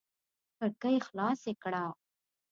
کړکۍ خلاصې کړه!